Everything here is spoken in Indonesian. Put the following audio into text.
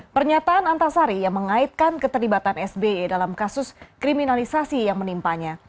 pernyataan antasari yang mengaitkan keterlibatan sby dalam kasus kriminalisasi yang menimpanya